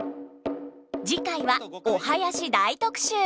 次回はお囃子大特集。